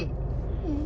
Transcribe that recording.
うん。